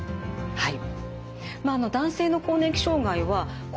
はい。